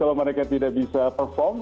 kalau mereka tidak bisa perform